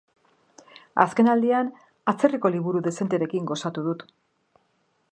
Azkenaldian, atzerriko liburu dezenterekin gozatu dut.